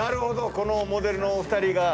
このモデルのお二人が。